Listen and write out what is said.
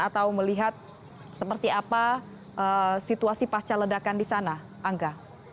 atau melihat seperti apa situasi pasca ledakan di sana angga